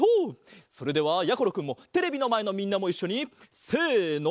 それではやころくんもテレビのまえのみんなもいっしょにせの。